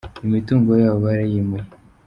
imitungo yabo barayimuye.